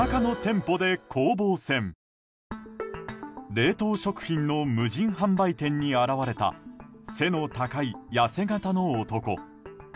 冷凍食品の無人販売店に現れた背の高い痩せ形の男。